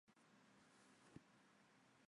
浙江海宁人。